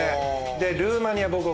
でルーマニア母国。